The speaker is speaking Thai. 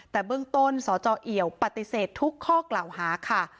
แต่เบื้องต้นสจเอี่ยวปฏิเสธทุกข้อกล่าวหาค่ะ